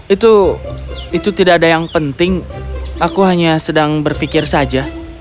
itu itu tidak ada yang penting aku hanya sedang berpikir saja